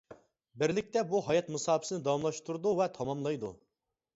بىرلىكتە بۇ ھايات مۇساپىسىنى داۋاملاشتۇرىدۇ ۋە تاماملايدۇ.